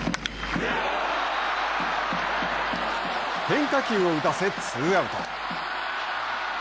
変化球を打たせ、ツーアウト。